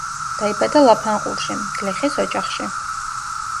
დაიბადა ლაფანყურში, გლეხის ოჯახში.